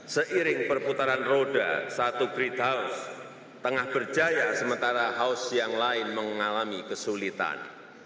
seiring perputaran roda satu great house tengah berjaya sementara house yang lain mengalami kesulitan